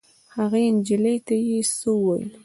هغې نجلۍ ته یې څه وویل.